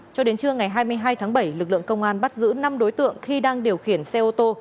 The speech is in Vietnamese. cho đến trưa ngày hai mươi hai tháng bảy lực lượng công an bắt giữ năm đối tượng khi đang điều khiển xe ô tô